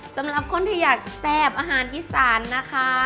สำหรับคนที่อยากแซ่บอาหารอีสานนะคะ